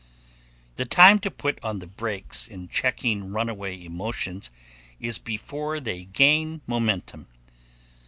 The time to put on the brakes in checking runaway emotions is before they gain momentum.